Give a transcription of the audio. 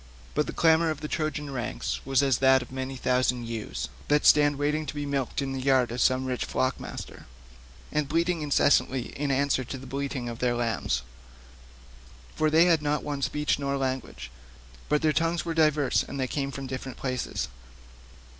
But the clamour of the Trojan ranks was as that of many thousand ewes that stand waiting to be milked in the yards of some rich flock master, and bleat incessantly in answer to the bleating of their lambs; for they had not one speech nor language, but their tongues were diverse, and they came from many different places.